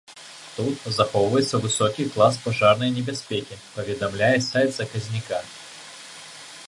Тут захоўваецца высокі клас пажарнай небяспекі, паведамляе сайт заказніка.